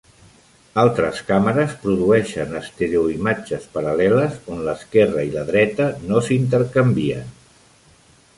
Altres càmeres produeixen estereoimatges paral·leles, on l'esquerra i la dreta no s'intercanvien.